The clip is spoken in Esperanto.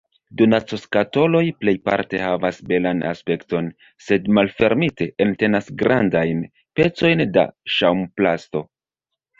Donacoskatoloj plejparte havas belan aspekton, sed malfermite, entenas grandajn pecojn da ŝaŭmplasto.